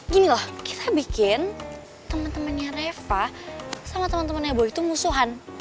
gini kita bikin temen temennya reva sama temen temennya boy itu musuhan